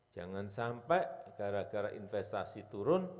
jangan sampai gara gara investasi turun